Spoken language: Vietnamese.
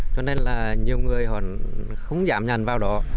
cho nên nhiều người không dám nhận vào đó